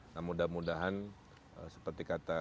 nah mudah mudahan sepertinya